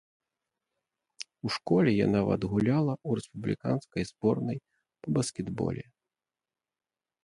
У школе я нават гуляла ў рэспубліканскай зборнай па баскетболе.